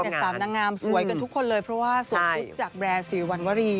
สามนางงามสวยกันทุกคนเลยเพราะว่าสวมชุดจากแบรนด์สีวันวรี